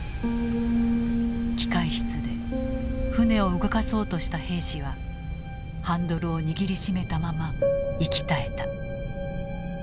機械室で船を動かそうとした兵士はハンドルを握りしめたまま息絶えた。